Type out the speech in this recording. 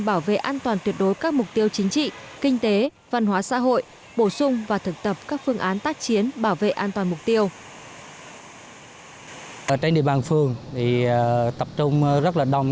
bảo vệ an toàn tuyệt đối các mục tiêu chính trị kinh tế văn hóa xã hội bổ sung và thực tập các mục tiêu quan trọng